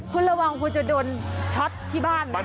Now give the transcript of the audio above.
คุณระวังคุณจะโดนช็อตที่บ้าน